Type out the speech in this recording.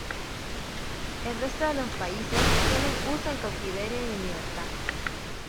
El resto de los países tienen uso en cautiverio y en libertad.